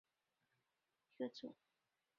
广东异型兰为兰科异型兰属下的一个种。